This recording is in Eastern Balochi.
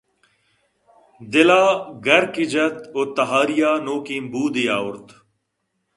دل ءَ گرکے جت ءُتہاری ءَ نوکیں بودے آورت